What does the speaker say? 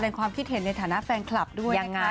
ขอแสดงความคิดเห็นในฐานะแฟนคลับด้วยนะคะ